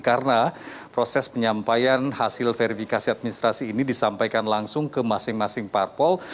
karena proses penyampaian hasil verifikasi administrasi ini disampaikan langsung ke masing masing parpol